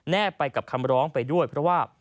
ไปกับคำร้องไปด้วยเพราะว่า